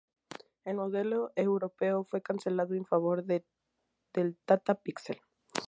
El modelo europeo fue cancelado en favor del Tata Pixel.